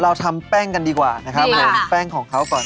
เราทำแป้งกันดีกว่านะครับผมแป้งของเขาก่อน